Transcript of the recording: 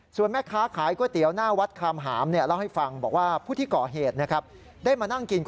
ส่วนแม่ค้าขายก๋วยเตี๋ยวหน้าวัดคามหาม